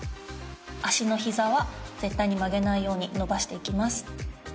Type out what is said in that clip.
脚の膝は絶対に曲げないように伸ばしていきます。